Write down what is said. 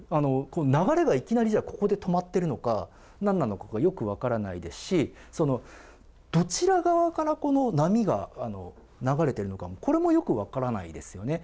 流れがいきなり、じゃあ、ここで止まってるのか、なんなのかよく分からないですし、どちら側からこの波が流れてるのかも、これもよく分からないですよね。